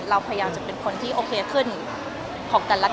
เราพยายามจะเป็นคนที่โอเคขึ้นของแต่ละคน